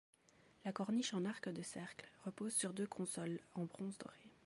La corniche en arc de cercle repose sur deux consoles en bronze doré.